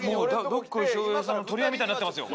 どっこい翔平さんの取り合いみたいになってますよ